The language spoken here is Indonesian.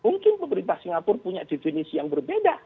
mungkin pemerintah singapura punya definisi yang berbeda